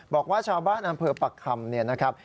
บอกว่าชาวบ้านอำเภอปะคำ